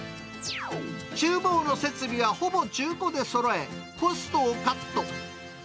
ちゅう房の設備はほぼ中古でそろえ、コストをカット。